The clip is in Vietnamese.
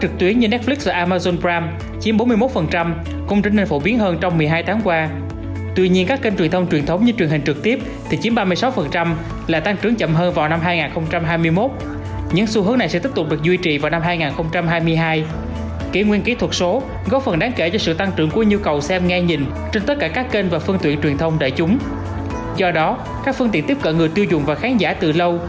các phương tiện tiếp cận người tiêu dùng và khán giả từ lâu